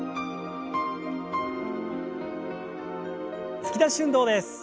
突き出し運動です。